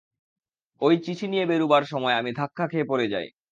ঐ চিঠি নিয়ে বেরুবার সময় আমি ধাক্কা খেয়ে পড়ে যাই।